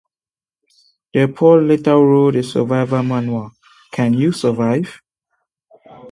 DePugh later wrote a survival manual, Can You Survive?